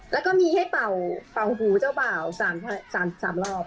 แล้วก็มีให้เป่าเป่าหูเจ้าเป่าสามสามสามรอบ